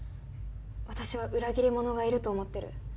私は裏切り者がいると思ってる。